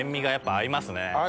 合います。